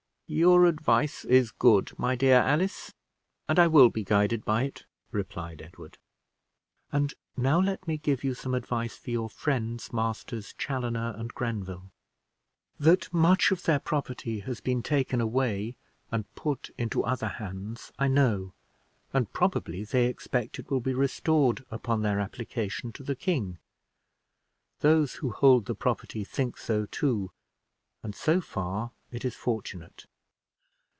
"Your advice is good, my dear Alice, and I will be guided by it," replied Edward. "And now let me give you some advice for your friends, Masters Chaloner and Grenville. That much of their property has been taken away and put into other hands, I know; and probably they expect it will be restored upon their application to the king. Those who hold the property think so too, and so far it is fortunate.